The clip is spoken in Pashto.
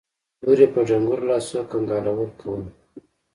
لور يې په ډنګرو لاسو کنګالول کول.